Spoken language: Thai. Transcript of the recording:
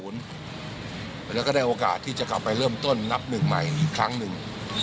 แล้วก็ได้โอกาสที่จะกลับไปเริ่มต้นนับหนึ่งใหม่อีกครั้งหนึ่ง